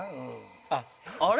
あっあれ？